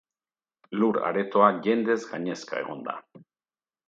Lur aretoa jendez gainezka egon da.